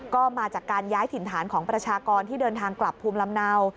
ก็มาจากการย้ายถิ่นฐานของประชากรที่เดินทางกลับภูมิลำเนา